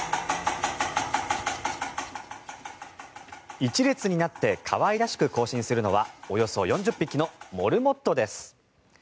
一列になって可愛らしく行進するのはおよそ４０匹のモルモットです。